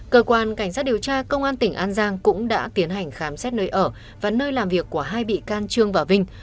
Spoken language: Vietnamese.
cơ quan cảnh sát điều tra công an tỉnh an giang cũng đã tiến hành khám xét nơi ở và nơi làm việc của hai bị can trương và vinh